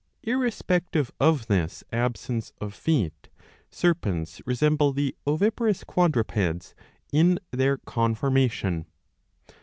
^ Irrespective of this, absence of feet, serpents resemble the oviparous quadrupeds in their conformation.